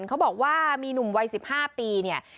เขาบอกว่ามีหนุ่มวัย๑๕ปีเนี่ย